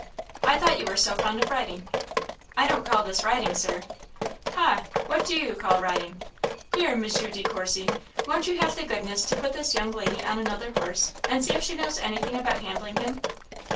"I thought you were so fond of riding." "I don't call this riding, Sir." "Ha! what do you call riding? Here, M. De Courcy, won't you have the goodness to put this young lady on another horse, and see if she knows anything about handling him?"